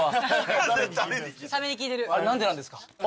何でなんですか？